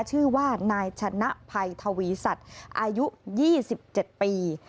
ชื่อว่านายชนะภัยทวีสัตว์อายุ๒๗ปี